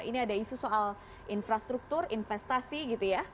ini ada isu soal infrastruktur investasi gitu ya